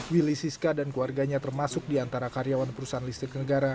willy siska dan keluarganya termasuk di antara karyawan perusahaan listrik negara